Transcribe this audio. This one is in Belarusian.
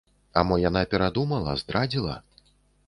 А мо яна перадумала, здрадзіла?